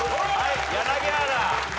柳原。